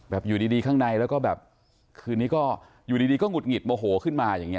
อยู่ดีข้างในแล้วก็แบบคืนนี้ก็อยู่ดีก็หุดหงิดโมโหขึ้นมาอย่างนี้